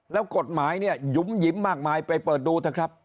แล้วกฎหมายยุ้มหยิ้มมากมายไปเปิดดู